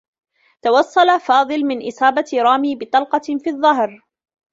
توصّل فاضل من إصابة رامي بطلقة في الظّهر.